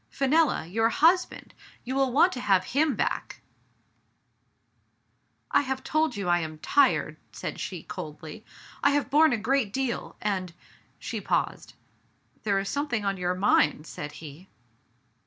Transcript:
"Fenella! your husband! you will want to have him back !" I have told you I am tired," said she coldly. '*I have borne a great deal, and " she paused. "There is something on your mind," said he.